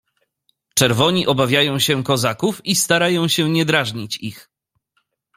"Czerwoni obawiają się kozaków i starają się nie drażnić ich."